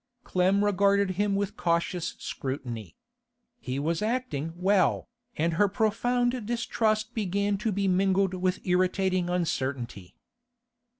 Clem regarded him with cautious scrutiny. He was acting well, and her profound distrust began to be mingled with irritating uncertainty.